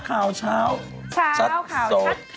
ข่าวชาวชัดโซเชียล